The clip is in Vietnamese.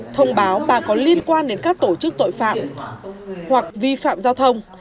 thông báo bà có liên quan đến các tổ chức tội phạm hoặc vi phạm giao thông